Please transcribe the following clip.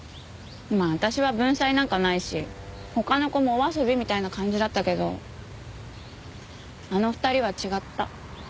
まあ私は文才なんかないし他の子もお遊びみたいな感じだったけどあの２人は違った。